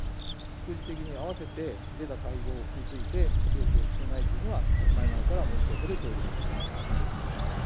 副次的に合わせて出た会合について、記憶をしていないというのは、前々から申し上げているとおりです。